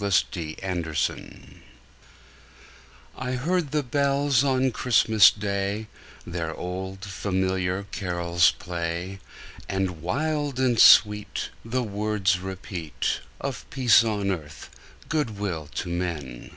CHRISTMAS BELLS I heard the bells on Christmas Day Their old, familiar carols play, And wild and sweet The words repeat Of peace on earth, good will to men!